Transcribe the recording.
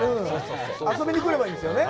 遊びにくればいいんですよね。